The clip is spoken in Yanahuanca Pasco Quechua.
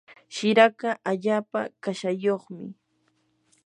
shiraka allaapa kashayuqmi.